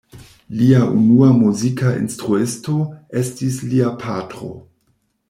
Lia unua muzika instruisto estis lia patro.